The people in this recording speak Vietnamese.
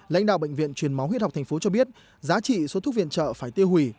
lãnh đạo bệnh viện truyền máu huyết học tp cho biết giá trị số thuốc viện trợ phải tiêu hủy